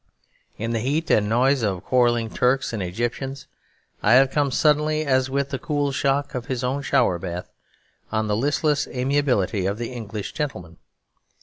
In the heat and noise of quarrelling Turks and Egyptians, I have come suddenly, as with the cool shock of his own shower bath, on the listless amiability of the English gentleman.